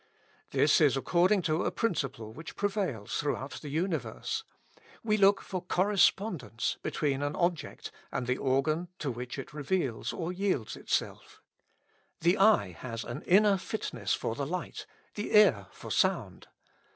This is according to a principle which prevails throughout the universe : we look for correspondence between an object and the organ to which it reveals or yields itself. The eye has an inner fitness for the light, the ear for sound.